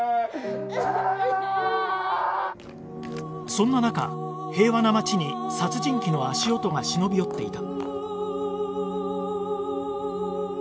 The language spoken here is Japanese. そんな中平和な町に殺人鬼の足音が忍び寄っていた